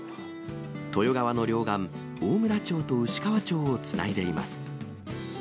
豊川の両岸、大村町と牛川町をつないでいます。